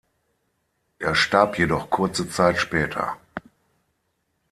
Er starb jedoch kurze Zeit später.